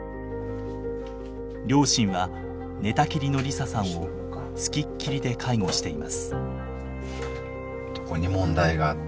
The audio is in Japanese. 両親は寝たきりの梨沙さんを付きっきりで介護しています。